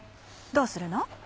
どうするの？